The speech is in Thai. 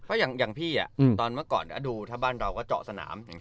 เพราะอย่างพี่ตอนเมื่อก่อนดูถ้าบ้านเราก็เจาะสนาม